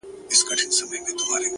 • د وخت پاچا زما اته ي دي غلا كړي؛